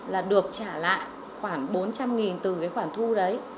là được trả lại khoảng bốn trăm linh từ cái khoản thu đấy